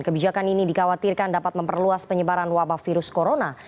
kebijakan ini dikhawatirkan dapat memperluas penyebaran wabah virus corona